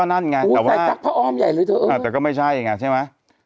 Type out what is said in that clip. อ่าแต่ก็ไม่ใช่อย่างนั้นใช่มั้ย